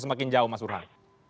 semakin jauh mas surhan